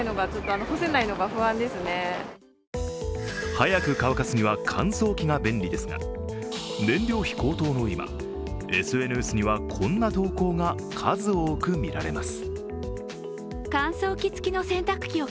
早く乾かすには乾燥機が便利ですが燃料費高騰の今、ＳＮＳにはこんな投稿が数多く見られます。